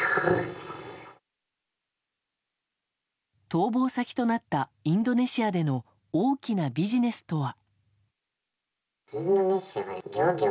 逃亡先となったインドネシアでの大きなビジネスとは。